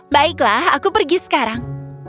baiklah aku pergi sekarang